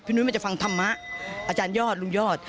นุ้ยมันจะฟังธรรมะอาจารยอดลุงยอด